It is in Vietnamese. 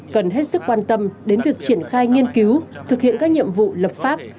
cần hết sức quan tâm đến việc triển khai nghiên cứu thực hiện các nhiệm vụ lập pháp